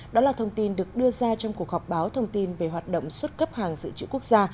đó là thông tin được đưa ra trong cuộc họp báo thông tin về hoạt động xuất cấp hàng dự trữ quốc gia